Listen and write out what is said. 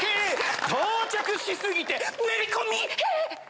到着し過ぎてめり込みヒェ！